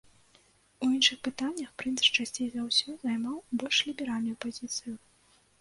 У іншых пытаннях прынц часцей за ўсё займаў больш ліберальную пазіцыю.